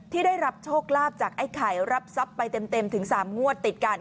ที่ได้รับโชคลาภจากไอ้ไข่รับทรัพย์ไปเต็มถึง๓งวดติดกัน